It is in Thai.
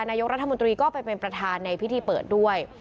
นายกรัฐมนตรีก็ไปเป็นประธานในพิธีเปิดด้วย